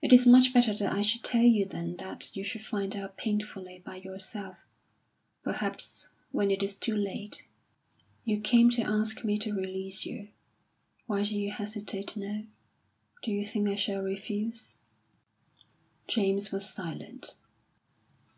It is much better that I should tell you than that you should find out painfully by yourself perhaps when it is too late." "You came to ask me to release you. Why do you hesitate now? Do you think I shall refuse?" James was silent.